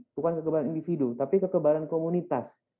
bukan kekebalan individu tapi kekebalan komunitas